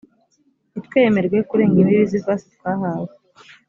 ntitwemerwe kurenga imbibi z’ifasi twahawe